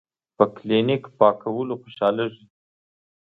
پۀ کلینک پاکولو خوشالیږي ـ